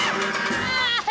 tidak tidak tidak